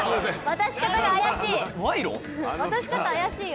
渡し方怪しいよ。